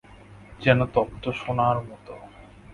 যেন তপ্ত সোনার মতো।